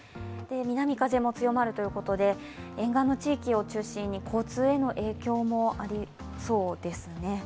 南風も強まるということで、沿岸の地域を中心に交通への影響もありそうですね。